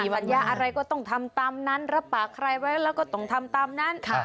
ปัญญาอะไรก็ต้องทำตามนั้นรับปากใครไว้แล้วก็ต้องทำตามนั้น